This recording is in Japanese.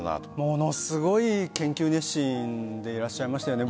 ものすごい研究熱心でいらっしゃいましたね。